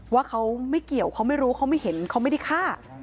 ว่าเขาไม่เกี่ยวเขาไม่รู้เขาไม่เห็นเขาไม่ได้ฆ่า